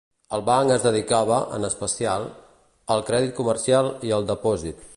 El banc es dedicava, en especial, al crèdit comercial i al depòsit.